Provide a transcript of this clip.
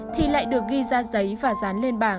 thì lại được ghi ra giấy và dán lên bảng